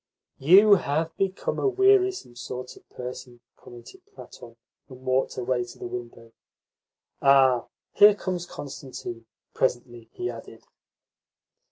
"You have become a wearisome sort of person," commented Platon, and walked away to the window. "Ah, here comes Constantine," presently he added.